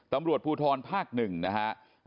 ตำรวจภูทรภาค๑นะฮะ